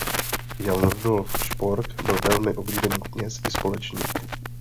Jan Rudolf Špork byl velmi oblíbený kněz i společník.